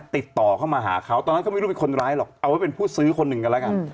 ติดต่อเข้ามาหาเขาตอนนั้นเขาไม่รู้เป็นคนร้ายหรอกเอาไว้เป็นผู้ซื้อคนหนึ่งกันแล้วกัน